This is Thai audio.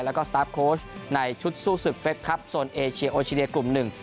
แล้วก็สตาร์ฟโค้ชในชุดสู้สึกเฟสครับโอเชียกลุ่มหนึ่ง